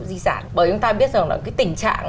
di sản bởi chúng ta biết rằng là cái tình trạng